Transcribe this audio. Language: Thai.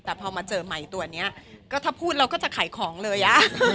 แต่พอมาเจอใหม่ตัวนี้ก็ถ้าพูดเราก็จะขายของเลยอ่ะ